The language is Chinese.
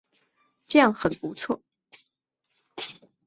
这样很不错